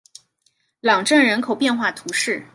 朗镇人口变化图示